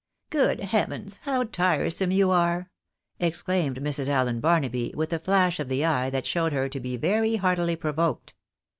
" Good heavens! how tiresome you are," exclaimed Mrs. Allen Barnaby, with a flash of the eye that showed her to be very heartily provoked.